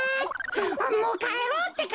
あっもうかえろうってか！